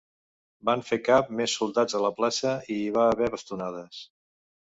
Van fer cap més soldats a la plaça i hi va haver bastonades.